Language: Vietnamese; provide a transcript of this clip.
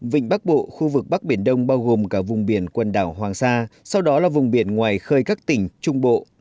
vịnh bắc bộ khu vực bắc biển đông bao gồm cả vùng biển quần đảo hoàng sa sau đó là vùng biển ngoài khơi các tỉnh trung bộ